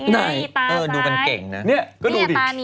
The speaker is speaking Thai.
นี่ก็ดูดิ